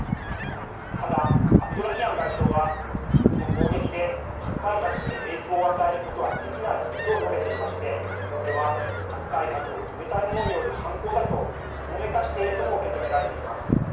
ただ、アブドラヒアン外相はこの攻撃で核開発に影響を与えることはできないと述べていましてこれは核開発を止めたい者による犯行だとほのめかしているとも受け止められています。